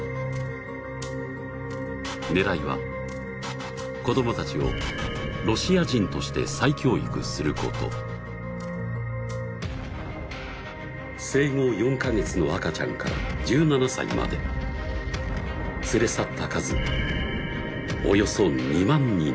狙いは子どもたちをロシア人として再教育すること生後４か月の赤ちゃんから１７歳まで連れ去った数